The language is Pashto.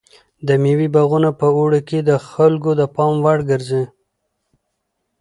د مېوې باغونه په اوړي کې د خلکو د پام وړ ګرځي.